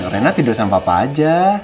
renat tidur sama papa aja